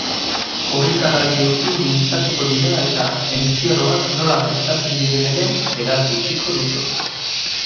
Korrikalariekin mintzatuko dira eta entzierroak nola prestatzen diren ere erakutsiko dute.